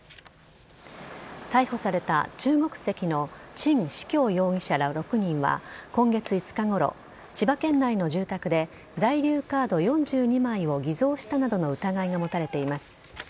逮捕された中国籍のチン・シキョウ容疑者ら６人は今月５日ごろ、千葉県内の住宅で在留カード４２枚を偽造したなどの疑いが持たれています。